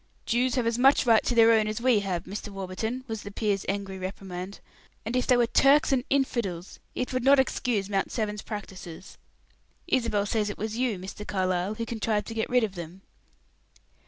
"Jews have as much right to their own as we have, Mr. Warburton," was the peer's angry reprimand. "And if they were Turks and infidels, it would not excuse Mount Severn's practices. Isabel says it was you, Mr. Carlyle, who contrived to get rid of them."